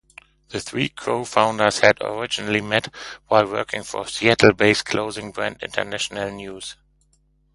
The three co-founders had originally met while working for Seattle-based clothing brand International News.